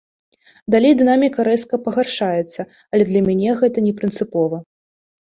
Далей дынаміка рэзка пагаршаецца, але для мяне гэта не прынцыпова.